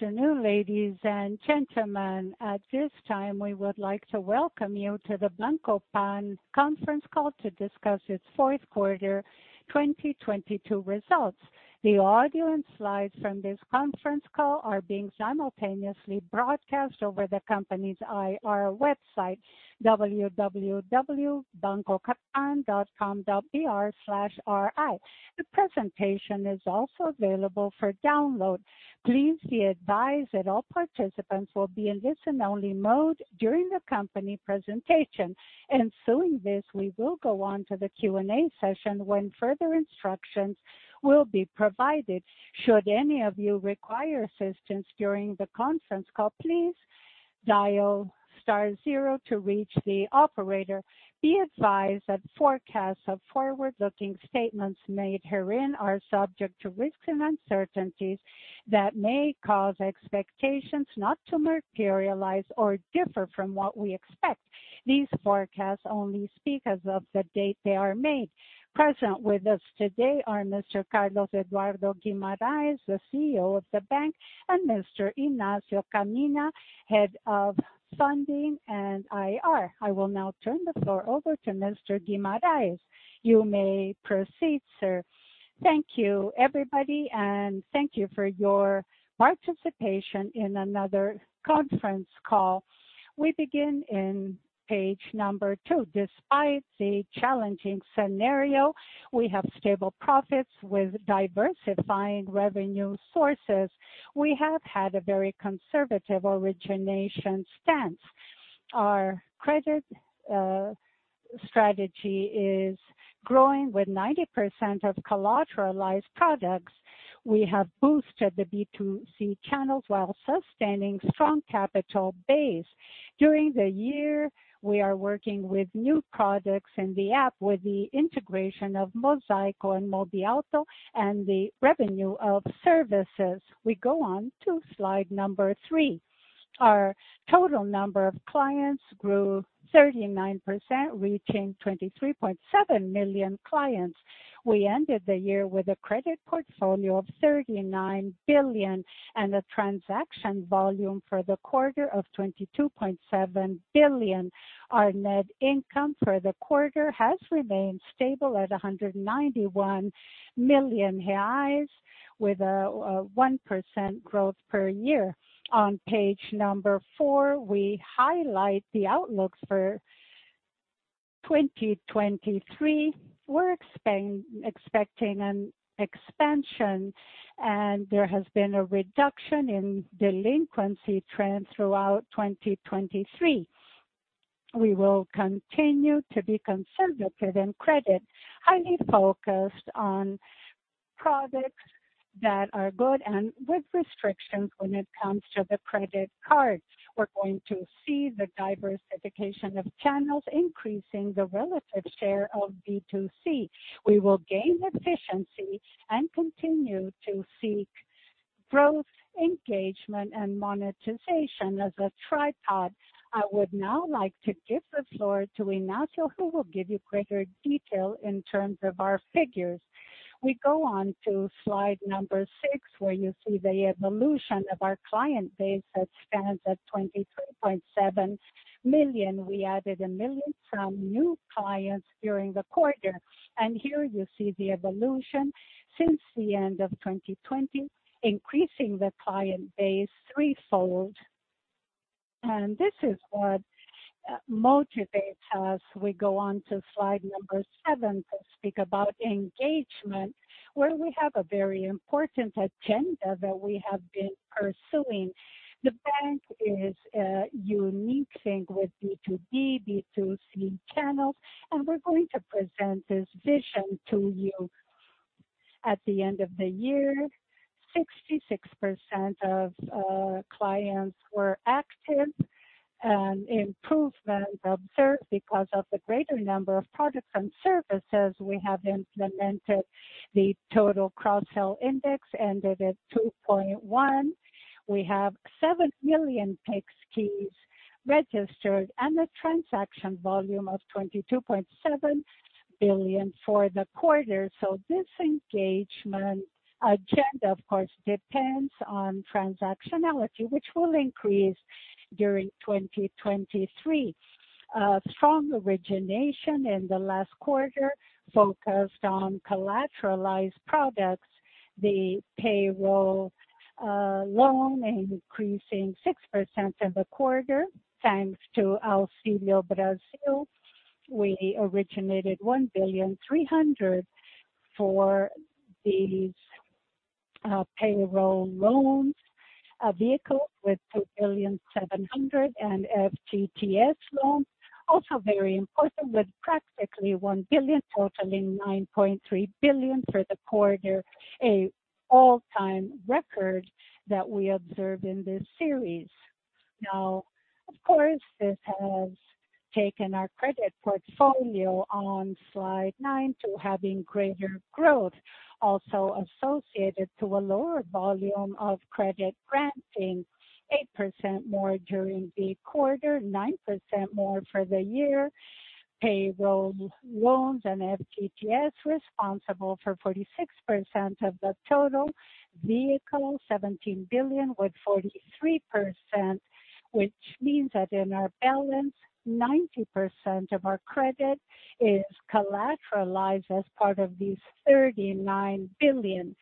Good afternoon, ladies and gentlemen. At this time, we would like to welcome you to the Banco Pan conference call to discuss its fourth quarter 2022 results. The audio and slides from this conference call are being simultaneously broadcast over the company's IR website, www.bancopan.com.br/ri. The presentation is also available for download. Please be advised that all participants will be in listen-only mode during the company presentation. Ensuing this, we will go on to the Q&A session when further instructions will be provided. Should any of you require assistance during the conference call, please dial star zero to reach the operator. Be advised that forecasts of forward-looking statements made herein are subject to risks and uncertainties that may cause expectations not to materialize or differ from what we expect. These forecasts only speak as of the date they are made. Present with us today are Mr. Carlos Eduardo Guimarães, the CEO of the bank, and Mr. Inácio Caminha, Head of Funding and IR. I will now turn the floor over to Mr. Guimarães. You may proceed, sir. Thank you, everybody, and thank you for your participation in another conference call. We begin in page number two. Despite the challenging scenario, we have stable profits with diversifying revenue sources. We have had a very conservative origination stance. Our credit strategy is growing with 90% of collateralized products. We have boosted the B2C channels while sustaining strong capital base. During the year, we are working with new products in the app with the integration of Mosaico and Mobiauto and the revenue of services. We go on to slide number three. Our total number of clients grew 39%, reaching 23.7 million clients. We ended the year with a credit portfolio of 39 billion and a transaction volume for the quarter of 22.7 billion. Our Net Income for the quarter has remained stable at 191 million reais with a 1% growth per year. On page number four, we highlight the outlooks for 2023. We're expecting an expansion and there has been a reduction in delinquency trends throughout 2023. We will continue to be conservative in credit, highly focused on products that are good and with restrictions when it comes to the credit cards. We're going to see the diversification of channels, increasing the relative share of B2C. We will gain efficiency and continue to seek growth, engagement, and monetization as a tripod. I would now like to give the floor to Inácio, who will give you greater detail in terms of our figures. We go on to slide number six, where you see the evolution of our client base that stands at 23.7 million. We added 1 million from new clients during the quarter. Here you see the evolution since the end of 2020, increasing the client base threefold. This is what motivates us. We go on to slide number seven to speak about engagement, where we have a very important agenda that we have been pursuing. The bank is a unique thing with B2B, B2C channels, and we're going to present this vision to you. At the end of the year, 66% of clients were active, an improvement observed because of the greater number of products and services we have implemented. The total cross-sell index ended at 2.1. We have 7 million Pix keys registered and a transaction volume of 22.7 billion for the quarter. This engagement agenda, of course, depends on transactionality, which will increase during 2023. A strong origination in the last quarter focused on collateralized products. The payroll loan increasing 6% in the quarter, thanks to Auxílio Brasil. We originated 1.3 billion for these payroll loans. Vehicles with 2.7 billion and FGTS loans, also very important, with practically 1 billion totaling 9.3 billion for the quarter, a all-time record that we observe in this series. Of course, this has taken our credit portfolio on slide nine to having greater growth, also associated to a lower volume of credit granting. 8% more during the quarter, 9% more for the year. Payroll loans and FGTS responsible for 46% of the total vehicle, 17 billion with 43%, which means that in our balance, 90% of our credit is collateralized as part of these 39 billion.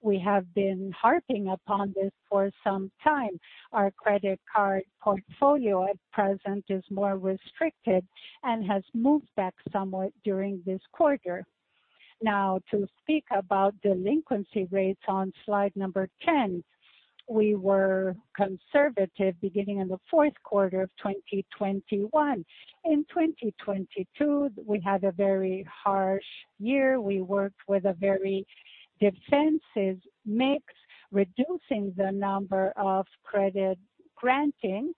We have been harping upon this for some time. Our credit card portfolio at present is more restricted and has moved back somewhat during this quarter. Now, to speak about delinquency rates on slide number 10, we were conservative beginning in the fourth quarter of 2021. In 2022, we had a very harsh year. We worked with a very defensive mix, reducing the number of credit granting.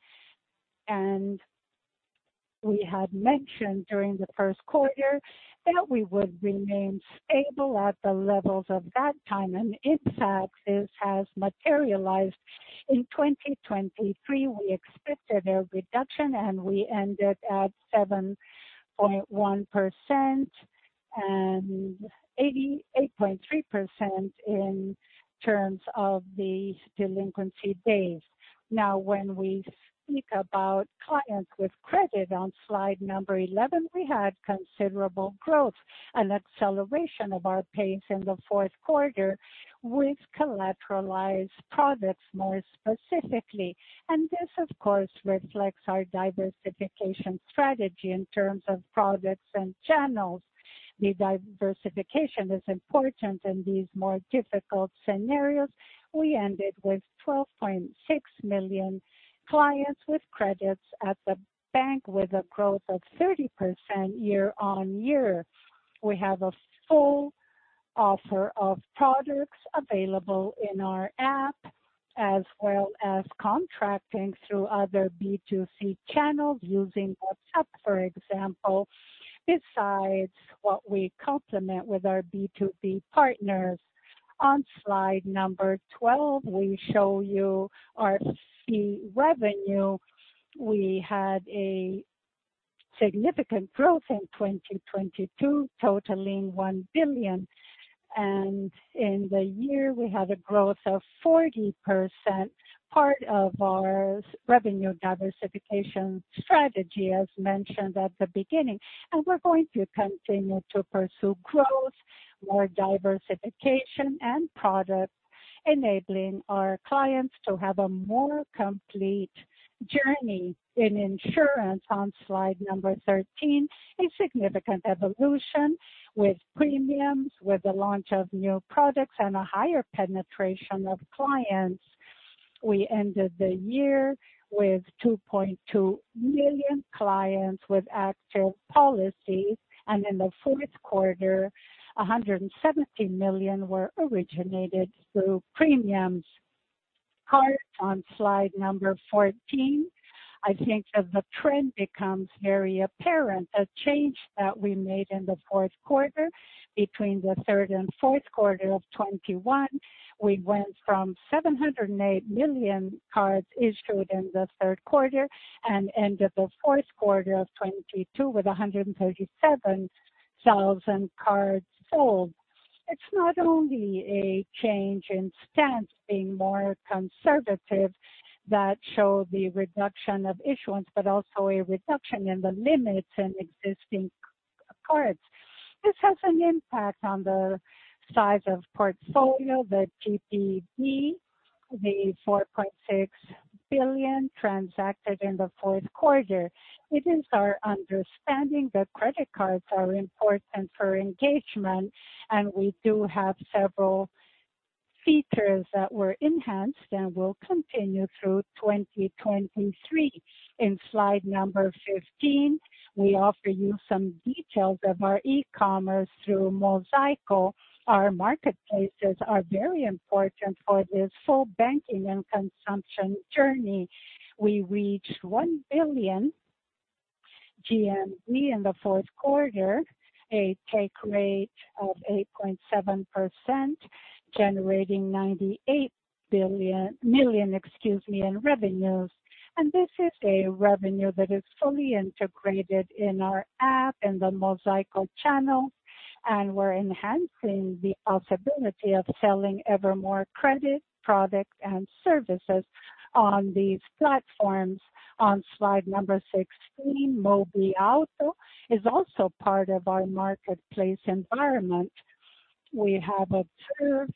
We had mentioned during the first quarter that we would remain stable at the levels of that time, and in fact, this has materialized. In 2023, we expected a reduction, we ended at 7.1% and 88.3% in terms of these delinquency days. When we speak about clients with credit on slide 11, we had considerable growth and acceleration of our pace in the fourth quarter with collateralized products more specifically. This, of course, reflects our diversification strategy in terms of products and channels. The diversification is important in these more difficult scenarios. We ended with 12.6 million clients with credits at the bank with a growth of 30% year-on-year. We have a full offer of products available in our app, as well as contracting through other B2C channels using WhatsApp, for example, besides what we complement with our B2B partners. On slide 12, we show you our fee revenue. We had a significant growth in 2022 totaling 1 billion. In the year, we had a growth of 40%, part of our revenue diversification strategy, as mentioned at the beginning. We're going to continue to pursue growth, more diversification and products, enabling our clients to have a more complete journey in insurance. On slide number 13, a significant evolution with premiums, with the launch of new products and a higher penetration of clients. We ended the year with 2.2 million clients with active policies, and in the fourth quarter, 170 million were originated through premiums. Cards on slide number 14. I think the trend becomes very apparent. A change that we made in the 4th quarter between the 3rd and 4th quarter of 2021, we went from 708 million cards issued in the 3rd quarter and ended the 4th quarter of 2022 with 137,000 cards sold. It's not only a change in stance being more conservative that showed the reduction of issuance, but also a reduction in the limits in existing cards. This has an impact on the size of portfolio, the GPV, the 4.6 billion transacted in the 4th quarter. It is our understanding that credit cards are important for engagement, and we do have several features that were enhanced and will continue through 2023. In slide number 15, we offer you some details of our e-commerce through Mosaico. Our marketplaces are very important for this full banking and consumption journey. We reached 1 billion GMV in the fourth quarter, a take rate of 8.7%, generating 98 million, excuse me, in revenues. This is a revenue that is fully integrated in our app, in the Mosaico channel, and we're enhancing the possibility of selling ever more credit products and services on these platforms. On slide number 16, Mobiauto is also part of our marketplace environment. We have observed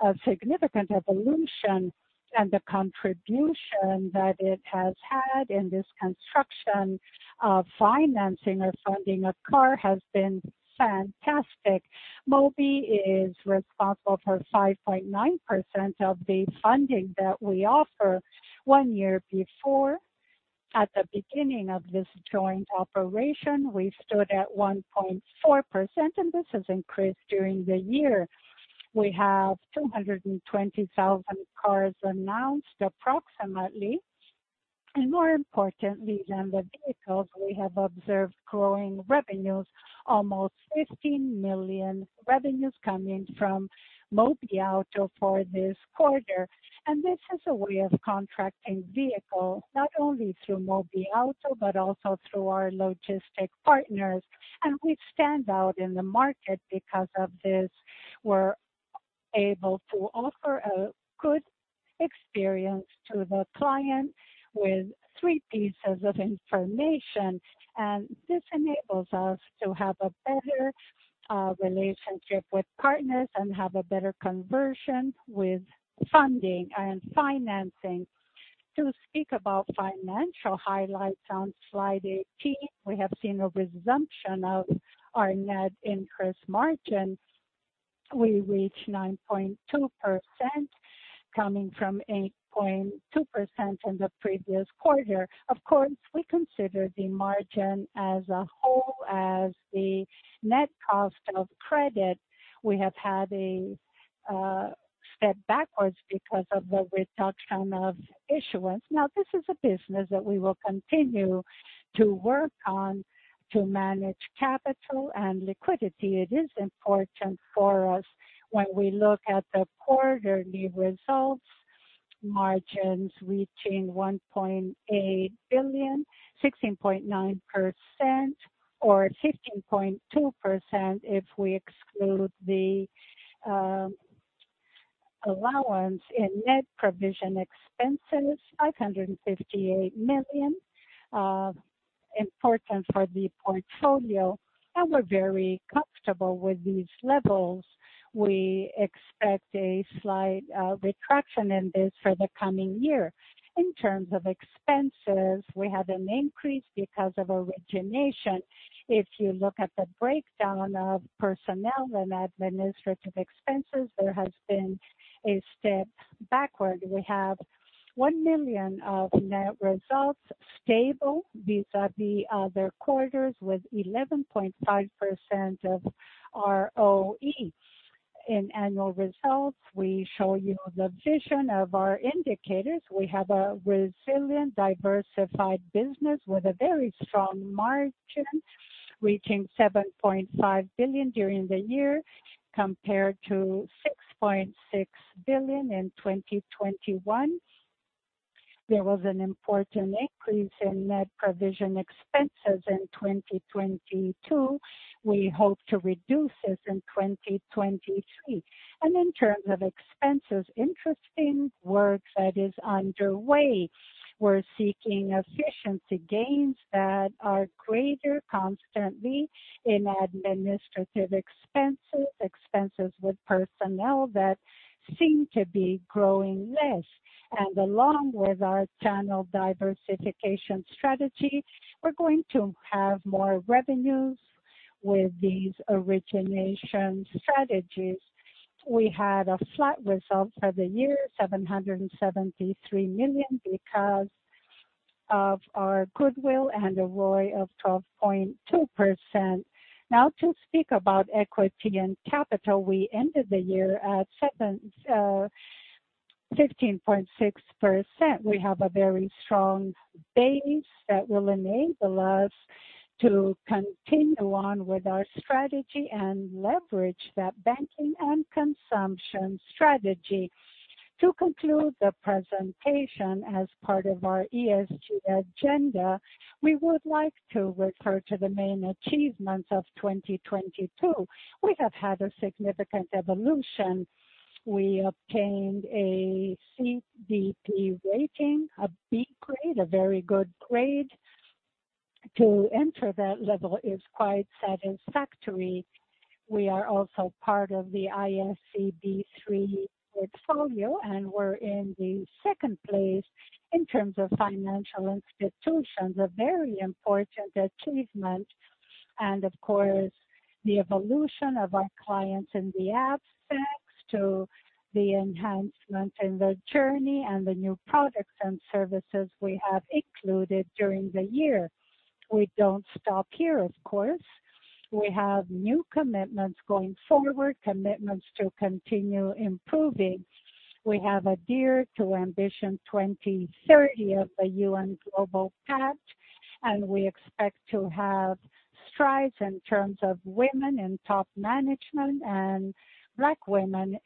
a significant evolution and the contribution that it has had in this construction of financing or funding a car has been fantastic. Mobi is responsible for 5.9% of the funding that we offer. One year before, at the beginning of this joint operation, we stood at 1.4%, and this has increased during the year. We have 220,000 cars announced approximately. More importantly than the vehicles, we have observed growing revenues, almost 15 million revenues coming from Mobiauto for this quarter. This is a way of contracting vehicle, not only through Mobiauto, but also through our logistic partners. We stand out in the market because of this. We're able to offer a good experience to the client with three pieces of information. This enables us to have a better relationship with partners and have a better conversion with funding and financing. To speak about financial highlights on slide 18, we have seen a resumption of our net interest margin. We reached 9.2%, coming from 8.2% in the previous quarter. Of course, we consider the margin as a whole as the net cost of credit. We have had a step backwards because of the reduction of issuance. This is a business that we will continue to work on to manage capital and liquidity. It is important for us when we look at the quarterly results, margins reaching 1.8 billion, 16.9% or 15.2% if we exclude the allowance in net provision expenses, 558 million, important for the portfolio. We're very comfortable with these levels. We expect a slight retraction in this for the coming year. In terms of expenses, we had an increase because of origination. If you look at the breakdown of personnel and administrative expenses, there has been a step backward. We have 1 million of net results stable vis-à-vis other quarters with 11.5% of ROE. In annual results, we show you the vision of our indicators. We have a resilient, diversified business with a very strong margin, reaching 7.5 billion during the year compared to 6.6 billion in 2021. There was an important increase in net provision expenses in 2022. We hope to reduce this in 2023. In terms of expenses, interesting work that is underway, we're seeking efficiency gains that are greater constantly in administrative expenses with personnel that seem to be growing less. Along with our channel diversification strategy, we're going to have more revenues with these origination strategies. We had a flat result for the year, 773 million, because of our goodwill and a ROI of 12.2%. To speak about equity and capital, we ended the year at 15.6%. We have a very strong base that will enable us to continue on with our strategy and leverage that banking and consumption strategy. To conclude the presentation, as part of our ESG agenda, we would like to refer to the main achievements of 2022. We have had a significant evolution. We obtained a CDP rating, a B grade, a very good grade. To enter that level is quite satisfactory. We are also part of the ISE B3 portfolio, we're in the 2nd place in terms of financial institutions, a very important achievement. Of course, the evolution of our clients in the aspects to the enhancement in the journey and the new products and services we have included during the year. We don't stop here, of course. We have new commitments going forward, commitments to continue improving. We have adhered to ambition 2030 of the UN Global Compact. We expect to have strides in terms of women in top management and Black women,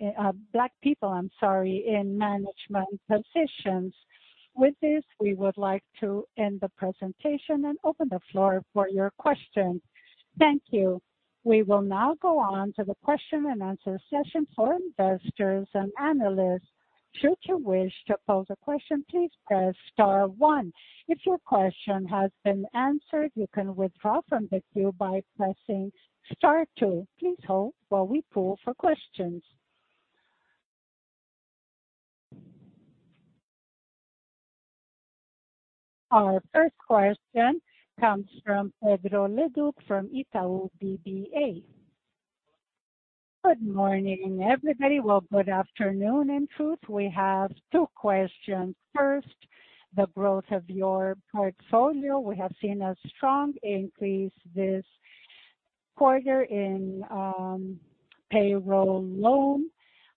Black people, I'm sorry, in management positions. With this, we would like to end the presentation and open the floor for your questions. Thank you. We will now go on to the question and answer session for investors and analysts. Should you wish to pose a question, please press star one. If your question has been answered, you can withdraw from the queue by pressing star two. Please hold while we poll for questions. Our first question comes from Pedro Leduc from Itaú BBA. Good morning, everybody. Well, good afternoon. In truth, we have two questions. First, the growth of your portfolio. We have seen a strong increase this quarter in payroll loan.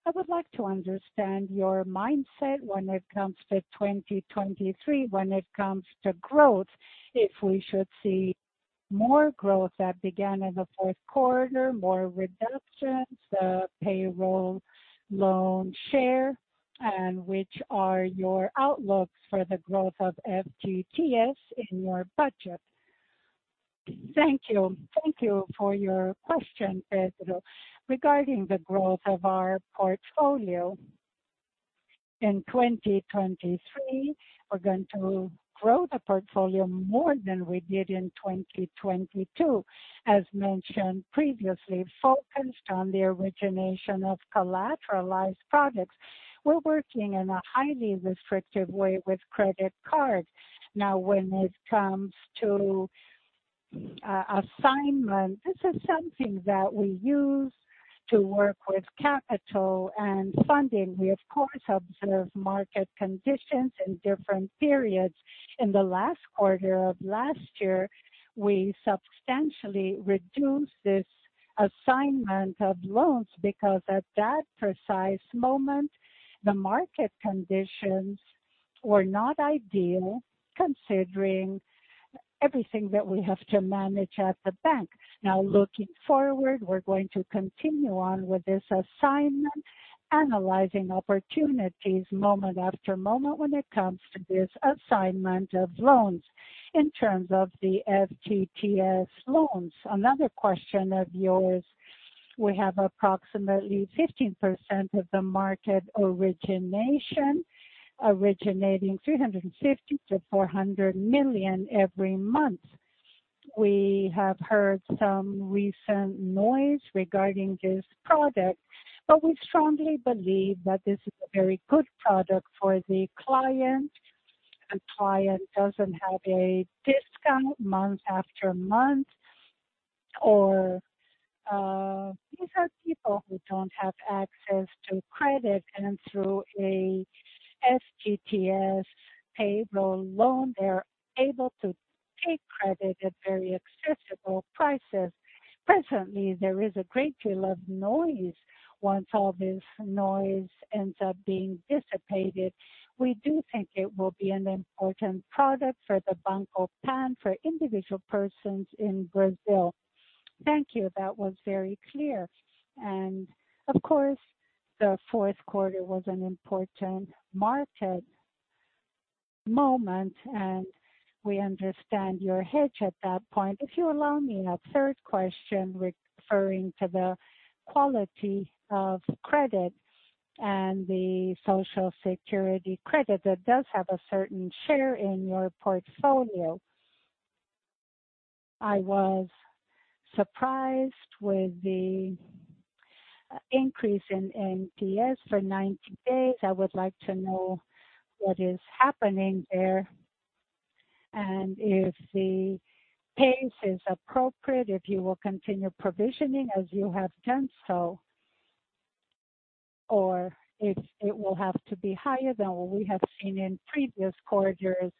I would like to understand your mindset when it comes to 2023, when it comes to growth, if we should see more growth that began in the fourth quarter, more reductions, the payroll loan share, and which are your outlooks for the growth of FGTS in your budget. Thank you. Thank you for your question, Pedro. Regarding the growth of our portfolio, in 2023, we're going to grow the portfolio more than we did in 2022. As mentioned previously, focused on the origination of collateralized products. We're working in a highly restrictive way with credit cards. Now, when it comes to assignment, this is something that we use to work with capital and funding. We, of course, observe market conditions in different periods. In the last quarter of last year, we substantially reduced this assignment of loans because at that precise moment, the market conditions were not ideal considering everything that we have to manage at the bank. Looking forward, we're going to continue on with this assignment, analyzing opportunities moment after moment when it comes to this assignment of loans. In terms of the FGTS loans, another question of yours, we have approximately 15% of the market origination, originating 350 million-400 million every month. We have heard some recent noise regarding this product. We strongly believe that this is a very good product for the client. A client doesn't have a discount month after month or, these are people who don't have access to credit and through a FGTS payroll loan, they're able to take credit at very accessible prices. Presently, there is a great deal of noise. Once all this noise ends up being dissipated, we do think it will be an important product for Banco Pan, for individual persons in Brazil. Thank you. That was very clear. Of course, the fourth quarter was an important market moment, and we understand your hedge at that point. If you allow me a third question referring to the quality of credit and the Social Security credit that does have a certain share in your portfolio. I was surprised with the increase in NPS for 90 days. I would like to know what is happening there and if the pace is appropriate, if you will continue provisioning as you have done so, or if it will have to be higher than what we have seen in previous quarters.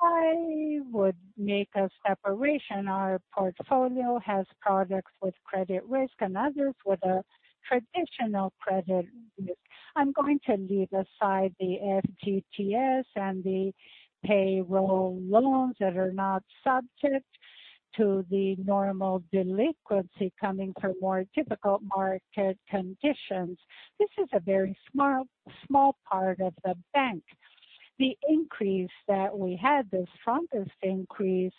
I would make a separation. Our portfolio has products with credit risk and others with a traditional credit risk. I'm going to leave aside the FGTS and the payroll loans that are not subject to the normal delinquency coming from more difficult market conditions. This is a very small part of the bank. The increase that we had, the strongest increase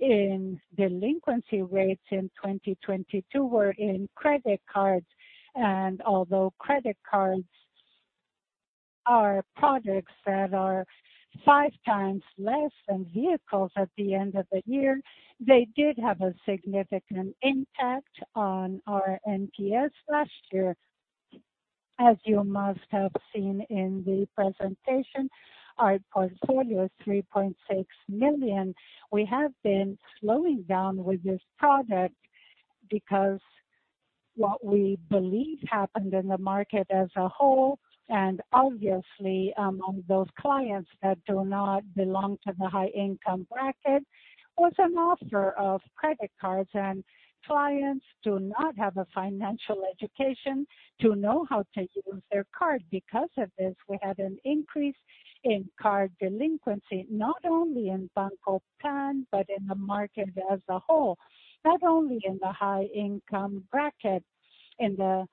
in delinquency rates in 2022 were in credit cards. Although credit cards are products that are five times less than vehicles at the end of the year, they did have a significant impact on our NPS last year. As you must have seen in the presentation, our portfolio is 3.6 million. We have been slowing down with this product because what we believe happened in the market as a whole, and obviously among those clients that do not belong to the high-income bracket, was an offer of credit cards, and clients do not have a financial education to know how to use their card. Because of this, we had an increase in card delinquency, not only in Banco Pan, but in the market as a whole, not only in the high-income bracket. In the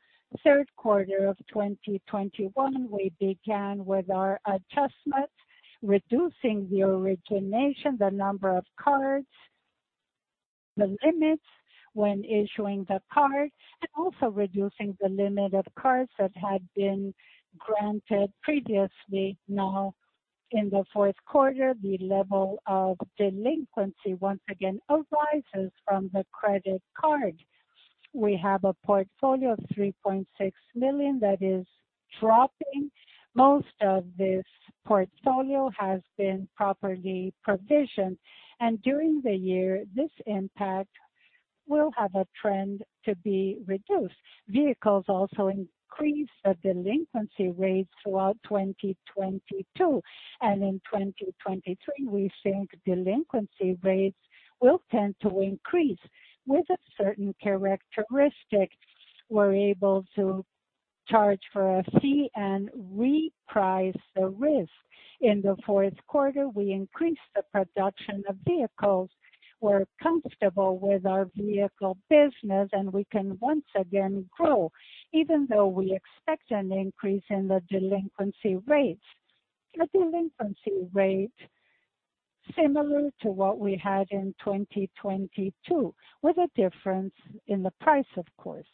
3rd quarter of 2021, we began with our adjustments, reducing the origination, the number of cards, the limits when issuing the card, and also reducing the limit of cards that had been granted previously. Now, in the 4th quarter, the level of delinquency once again arises from the credit card. We have a portfolio of 3.6 million that is dropping. Most of this portfolio has been properly provisioned, and during the year, this impact will have a trend to be reduced. Vehicles also increased the delinquency rates throughout 2022. In 2023, we think delinquency rates will tend to increase. With a certain characteristic, we're able to charge for a fee and reprice the risk. In the fourth quarter, we increased the production of vehicles. We're comfortable with our vehicle business, and we can once again grow, even though we expect an increase in the delinquency rates. A delinquency rate similar to what we had in 2022, with a difference in the price, of course.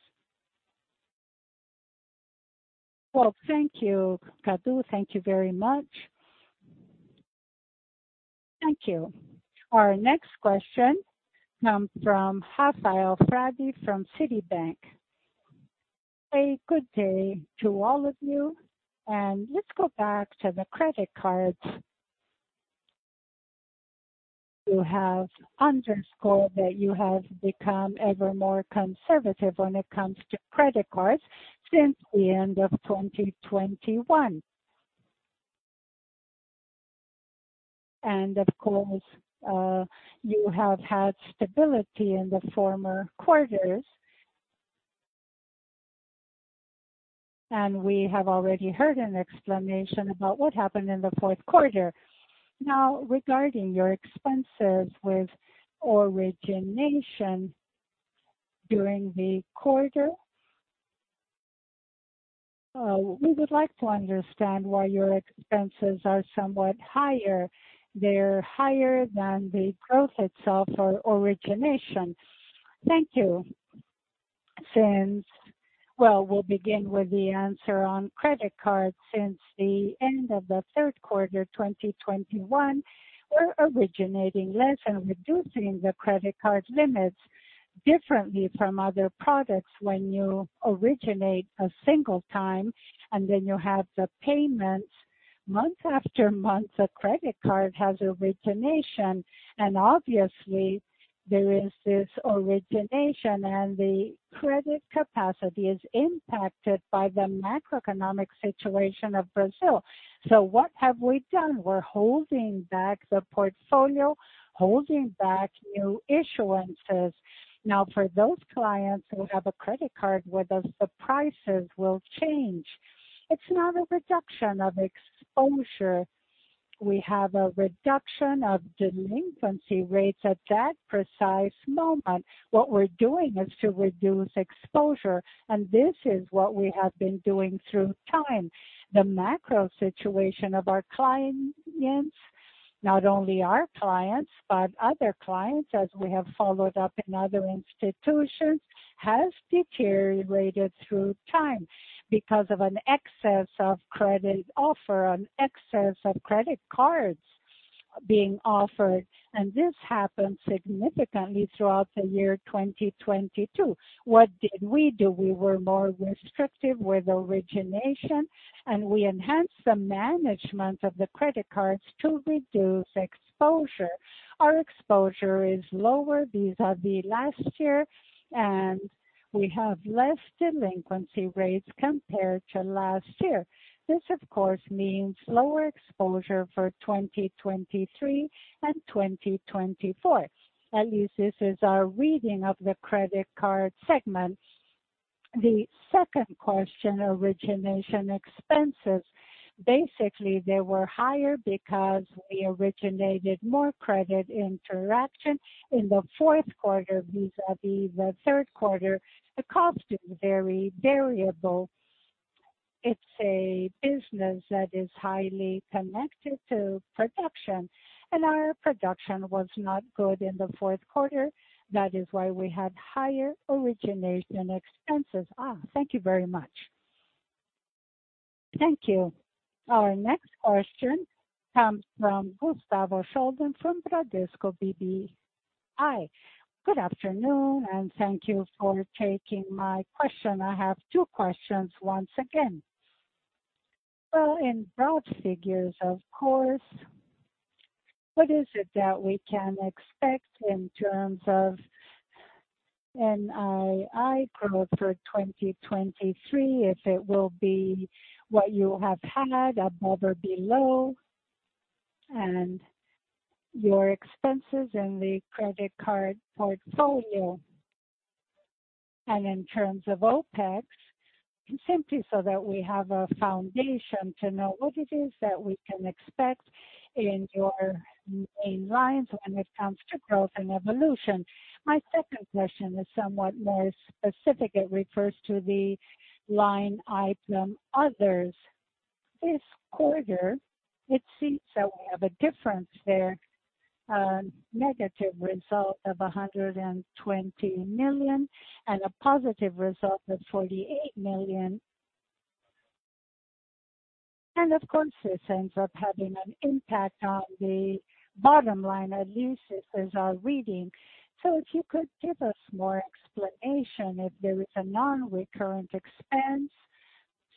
Well, thank you, Carlos. Thank you very much. Thank you. Our next question comes from Rafael Frade from Citibank. A good day to all of you, and let's go back to the credit cards. You have underscored that you have become ever more conservative when it comes to credit cards since the end of 2021. Of course, you have had stability in the former quarters. We have already heard an explanation about what happened in the fourth quarter. Now, regarding your expenses with origination during the quarter, we would like to understand why your expenses are somewhat higher. They're higher than the growth itself for origination. Thank you. Well, we'll begin with the answer on credit cards. Since the end of the third quarter, 2021, we're originating less and reducing the credit card limits differently from other products when you originate a single time and then you have the payments. Month after month, a credit card has origination, and obviously there is this origination, and the credit capacity is impacted by the macroeconomic situation of Brazil. What have we done? We're holding back the portfolio, holding back new issuances. Now, for those clients who have a credit card with us, the prices will change. It's not a reduction of exposure. We have a reduction of delinquency rates at that precise moment. What we're doing is to reduce exposure, and this is what we have been doing through time. The macro situation of our clients, not only our clients, but other clients, as we have followed up in other institutions, has deteriorated through time because of an excess of credit offer, an excess of credit cards being offered. This happened significantly throughout the year 2022. What did we do? We were more restrictive with origination, and we enhanced the management of the credit cards to reduce exposure. Our exposure is lower vis-à-vis last year, and we have less delinquency rates compared to last year. This, of course, means lower exposure for 2023 and 2024. At least this is our reading of the credit card segment. The second question, origination expenses. Basically, they were higher because we originated more credit interaction in the fourth quarter vis-a-vis the third quarter. The cost is very variable. It's a business that is highly connected to production, and our production was not good in the fourth quarter. That is why we had higher origination expenses. Thank you very much. Thank you. Our next question comes from Gustavo Schroden from Bradesco BBI. Hi. Good afternoon. Thank you for taking my question. I have two questions once again. Well, in broad figures, of course, what is it that we can expect in terms of NII growth for 2023, if it will be what you have had above or below, and your expenses in the credit card portfolio? In terms of Opex, simply so that we have a foundation to know what it is that we can expect in your main lines when it comes to growth and evolution. My second question is somewhat more specific. It refers to the line item, others. This quarter, it seems that we have a difference there, negative result of 120 million and a positive result of 48 million. Of course, this ends up having an impact on the bottom line. At least this is our reading. If you could give us more explanation if there is a non-recurrent expense,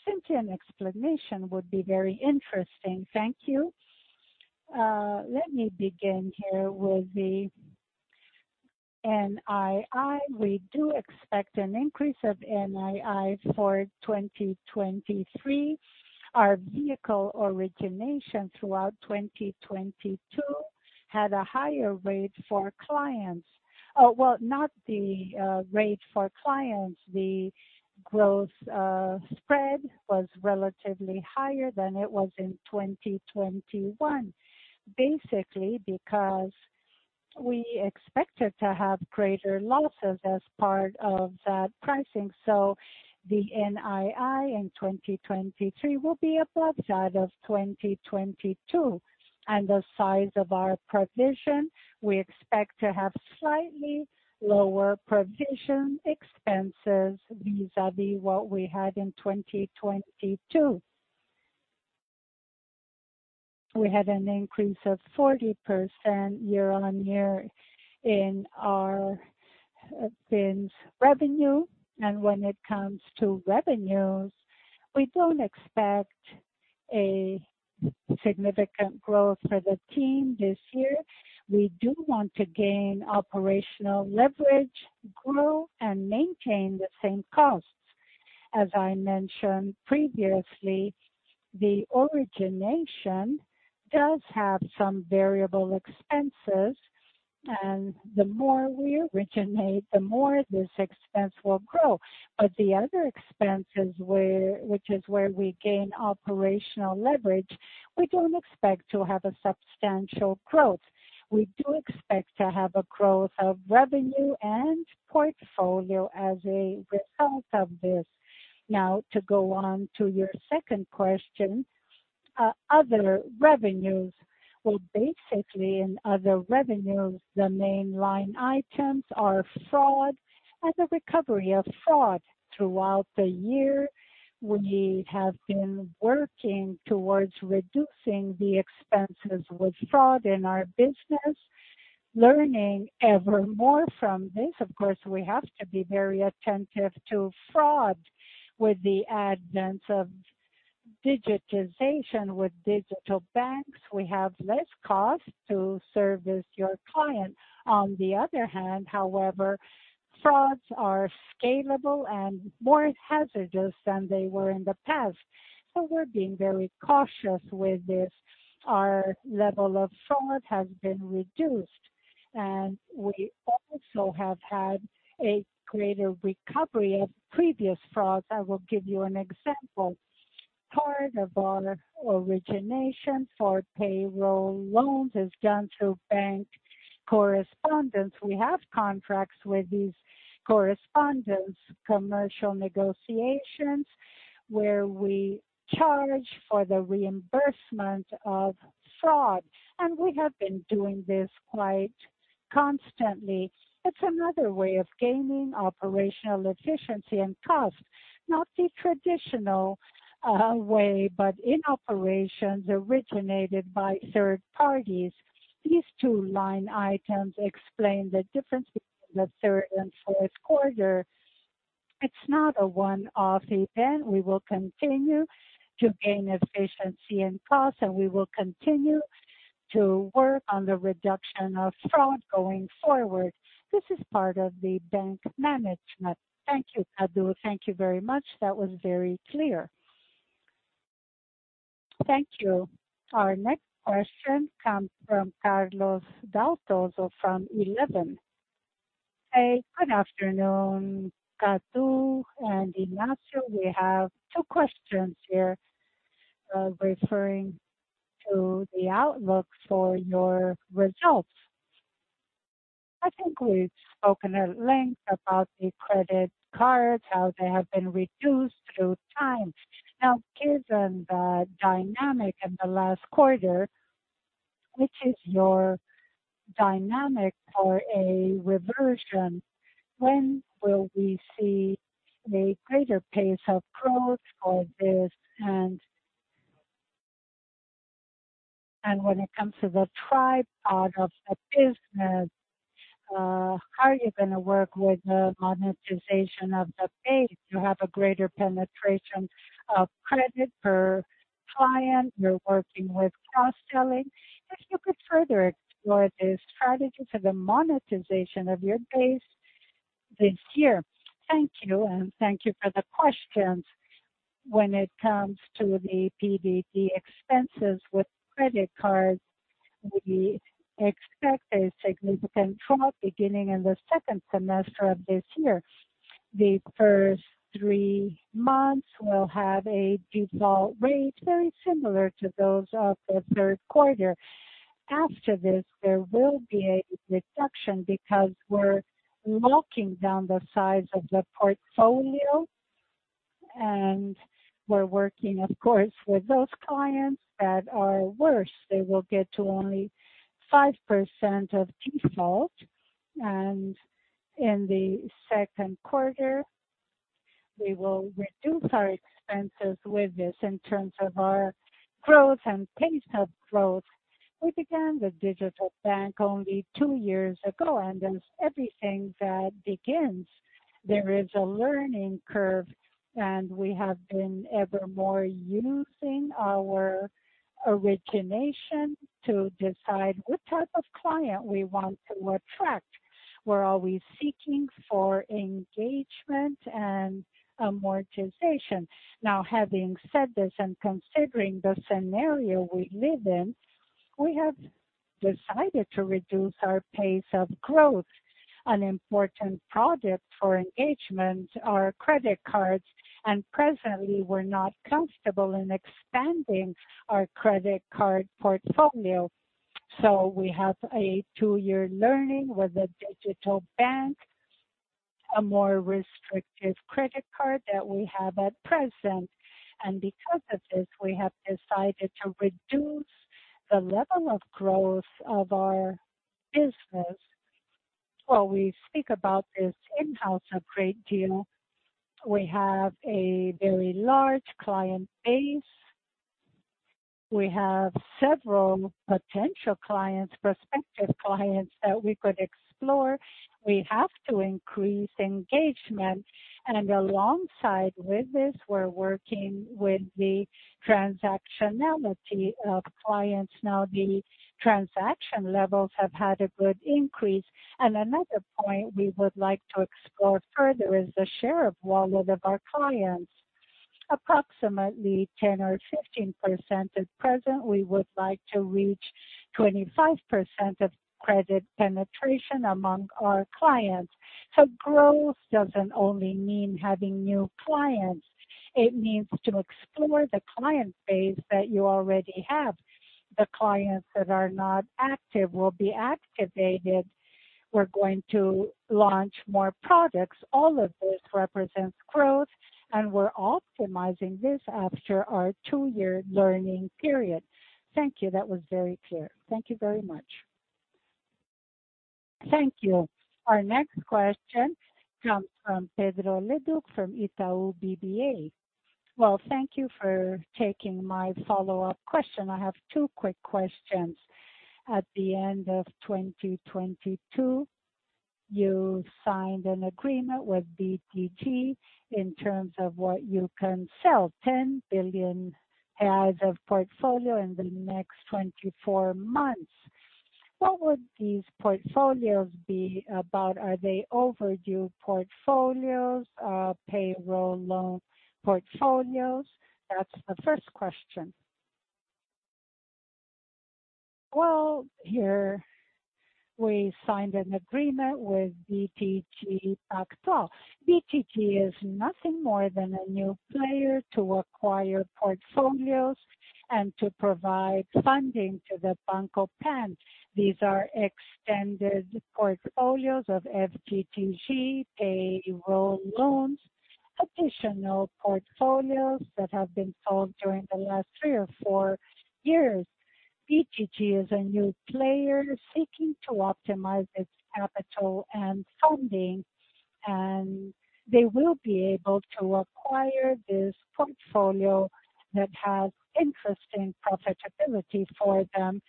simply an explanation would be very interesting. Thank you. Let me begin here with the NII. We do expect an increase of NII for 2023. Our vehicle origination throughout 2022 had a higher rate for clients. Well, not the, rate for clients. The growth spread was relatively higher than it was in 2021. Basically because we expected to have greater losses as part of that pricing. The NII in 2023 will be above that of 2022. The size of our provision, we expect to have slightly lower provision expenses vis-a-vis what we had in 2022. We had an increase of 40% year-on-year in our BINs revenue. When it comes to revenues, we don't expect a significant growth for the team this year. We do want to gain operational leverage, grow and maintain the same costs. As I mentioned previously, the origination does have some variable expenses, and the more we originate, the more this expense will grow. The other expenses which is where we gain operational leverage, we don't expect to have a substantial growth. We do expect to have a growth of revenue and portfolio as a result of this. Now to go on to your second question, other revenues. Well, basically in other revenues, the main line items are fraud and the recovery of fraud. Throughout the year, we have been working towards reducing the expenses with fraud in our business, learning ever more from this. Of course, we have to be very attentive to fraud. With the advent of digitization, with digital banks, we have less cost to service your client. On the other hand, however, frauds are scalable and more hazardous than they were in the past. We're being very cautious with this. Our level of fraud has been reduced. We also have had a greater recovery of previous frauds. I will give you an example. Part of our origination for payroll loans is done through bank correspondents. We have contracts with these correspondents, commercial negotiations where we charge for the reimbursement of fraud. We have been doing this quite constantly. It's another way of gaining operational efficiency and cost, not the traditional way, but in operations originated by third parties. These two line items explain the difference between the third and fourth quarter. It's not a one-off event. We will continue to gain efficiency and cost, we will continue to work on the reduction of fraud going forward. This is part of the bank management. Thank you, Carlos. Thank you very much. That was very clear. Thank you. Our next question comes from Carlos Daltozo from Eleven. Hey, good afternoon, Carlos and Inácio. We have two questions here, referring to the outlook for your results. I think we've spoken at length about the credit cards, how they have been reduced through time. Given the dynamic in the last quarter, which is your dynamic for a reversion, when will we see a greater pace of growth for this? When it comes to the tripod of the business, how are you gonna work with the monetization of the base? You have a greater penetration of credit per client. You're working with cross-selling. If you could further explore the strategy for the monetization of your base this year. Thank you. Thank you for the questions. When it comes to the PBT expenses with credit cards, we expect a significant drop beginning in the second semester of this year. The first three months will have a default rate very similar to those of the third quarter. After this, there will be a reduction because we're locking down the size of the portfolio, and we're working, of course, with those clients that are worse. They will get to only 5% of default. In the second quarter, we will reduce our expenses with this in terms of our growth and pace of growth. We began the digital bank only two years ago, as everything that begins, there is a learning curve, we have been ever more using our origination to decide what type of client we want to attract. We're always seeking for engagement and amortization. Now, having said this and considering the scenario we live in, we have decided to reduce our pace of growth. An important product for engagement are credit cards, presently we're not comfortable in expanding our credit card portfolio. We have a two-year learning with a digital bank, a more restrictive credit card that we have at present. Because of this, we have decided to reduce the level of growth of our business. Well, we speak about this in-house a great deal. We have a very large client base. We have several potential clients, prospective clients that we could explore. We have to increase engagement. Alongside with this, we're working with the transactionality of clients. Now, the transaction levels have had a good increase. Another point we would like to explore further is the share of wallet of our clients. Approximately 10% or 15% at present, we would like to reach 25% of credit penetration among our clients. Growth doesn't only mean having new clients, it means to explore the client base that you already have. The clients that are not active will be activated. We're going to launch more products. All of this represents growth, and we're optimizing this after our two-year learning period. Thank you. That was veryclear. Thank you very much. Thank you. Our next question comes from Pedro Leduc from Itaú BBA. Well, thank you for taking my follow-up question. I have two quick questions. At the end of 2022, you signed an agreement with BTG in terms of what you can sell, 10 billion of portfolio in the next 24 months. What would these portfolios be about? Are they overdue portfolios, payroll loan portfolios? That's the first question. Well, here we signed an agreement with BTG Pactual. BTG is nothing more than a new player to acquire portfolios and to provide funding to the Banco Pan. These are extended portfolios of FGTS, payroll loans, additional portfolios that have been sold during the last three or four years. BTG is a new player seeking to optimize its capital and funding, they will be able to acquire this portfolio that has interesting profitability for them.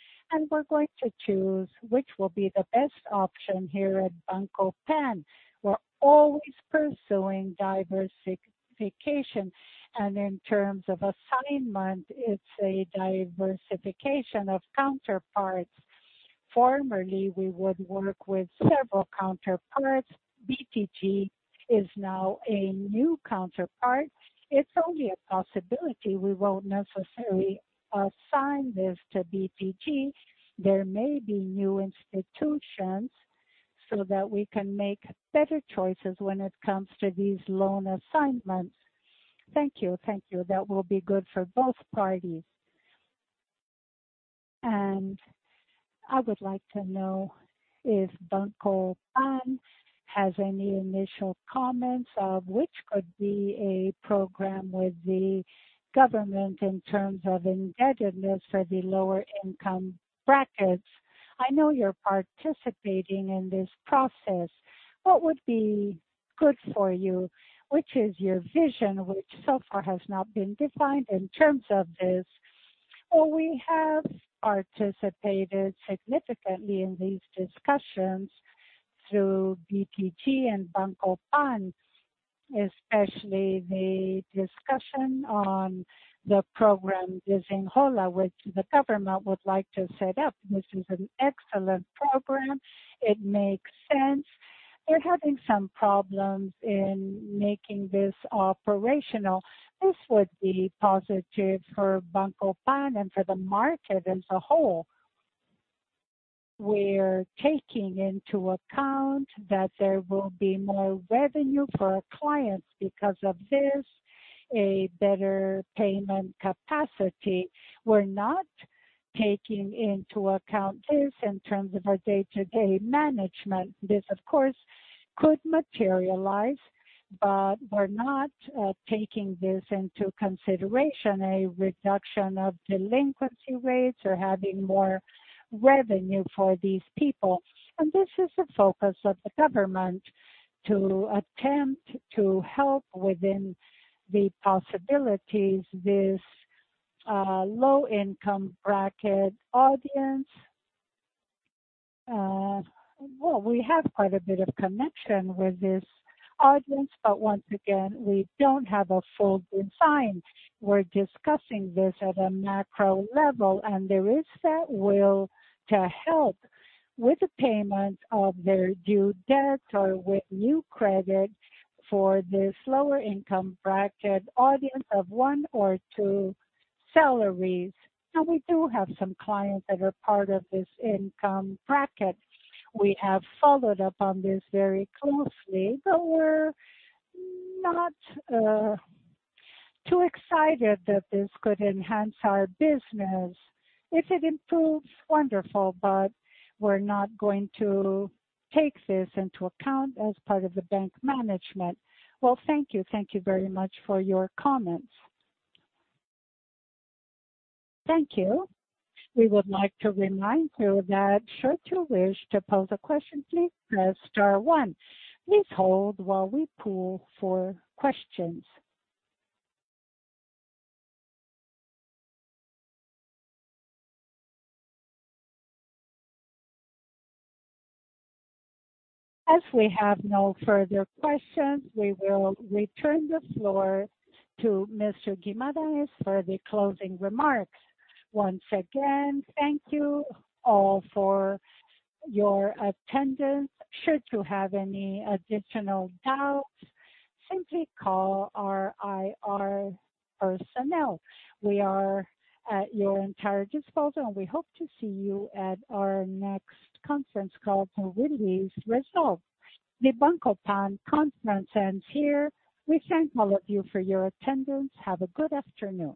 We're going to choose which will be the best option here at Banco Pan. We're always pursuing diversification. In terms of assignment, it's a diversification of counterparts. Formerly, we would work with several counterparts. BTG is now a new counterpart. It's only a possibility we won't necessarily assign this to BTG. There may be new institutions so that we can make better choices when it comes to these loan assignments. Thank you. Thank you. That will be good for both parties. I would like to know if Banco Pan has any initial comments of which could be a program with the government in terms of indebtedness for the lower income brackets. I know you're participating in this process. What would be good for you? Which is your vision, which so far has not been defined in terms of this? Well, we have participated significantly in these discussions through BTG and Banco Pan, especially the discussion on the program Desenrola, which the government would like to set up, which is an excellent program. It makes sense. We're having some problems in making this operational. This would be positive for Banco Pan and for the market as a whole. We're taking into account that there will be more revenue for our clients because of this, a better payment capacity. We're not taking into account this in terms of our day-to-day management. This, of course, could materialize, but we're not taking this into consideration, a reduction of delinquency rates or having more revenue for these people. This is the focus of the government to attempt to help within the possibilities this low income bracket audience. Well, we have quite a bit of connection with this audience, but once again, we don't have a full design. We're discussing this at a macro level, and there is that will to help with the payment of their due debt or with new credit for this lower income bracket audience of one or two salaries. We do have some clients that are part of this income bracket. We have followed up on this very closely, but we're not too excited that this could enhance our business. If it improves, wonderful, but we're not going to take this into account as part of the bank management. Well, thank you. Thank you very much for your comments. Thank you. We would like to remind you that should you wish to pose a question, please press star one. Please hold while we pool for questions. As we have no further questions, we will return the floor to Mr. Guimarães for the closing remarks. Once again, thank you all for your attendance. Should you have any additional doubts, simply call our IR personnel. We are at your entire disposal, and we hope to see you at our next conference call to release results. The Banco Pan conference ends here. We thank all of you for your attendance. Have a good afternoon.